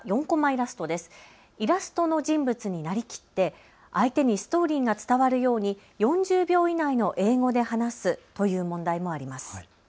イラストの人物になりきって相手にストーリーが伝わるように４０秒以内の英語で話すという問題もあります。